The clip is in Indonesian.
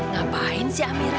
ngapain sih amirah